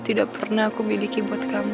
tidak pernah aku miliki buat kamu